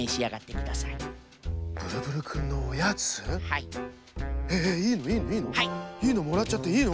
いいの？もらっちゃっていいの？